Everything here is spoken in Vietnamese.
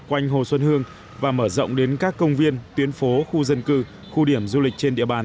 quanh hồ xuân hương và mở rộng đến các công viên tuyến phố khu dân cư khu điểm du lịch trên địa bàn